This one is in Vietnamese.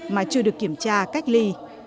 mà chưa được kiểm tra cách ly